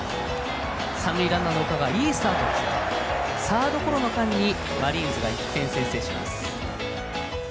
三塁ランナーの岡がいいスタートを切ってサードゴロの間にマリーンズが１点先制します。